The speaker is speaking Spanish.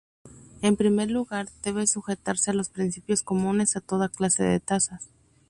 En primer lugar, debe sujetarse a los principios comunes a toda clase de tasas.